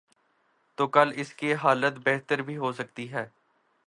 تو کل اس کی حالت بہتر بھی ہو سکتی ہے۔